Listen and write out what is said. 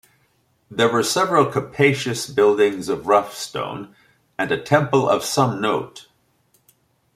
There were several capacious buildings of rough stone...and a temple of some note.